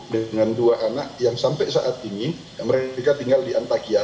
dengan dua anak yang sampai saat ini mereka tinggal di antakia